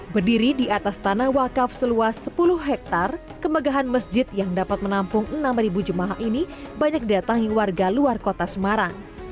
berdiri di atas tanah wakaf seluas sepuluh hektare kemegahan masjid yang dapat menampung enam jemaah ini banyak didatangi warga luar kota semarang